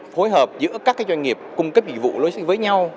phối hợp giữa các cái doanh nghiệp cung cấp dịch vụ lối xứ với nhau